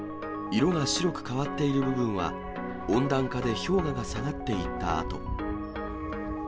色が白く変わっている部分は、温暖化で氷河が下がっていった跡。